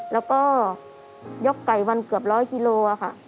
แล้วก็ยกไก่วันเกือบร้อยกิโลค่ะ